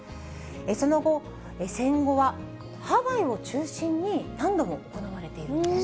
その後、戦後はハワイを中心に何度も行われているんです。